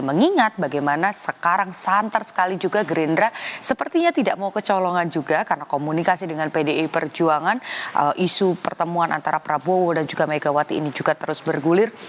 mengingat bagaimana sekarang santer sekali juga gerindra sepertinya tidak mau kecolongan juga karena komunikasi dengan pdi perjuangan isu pertemuan antara prabowo dan juga megawati ini juga terus bergulir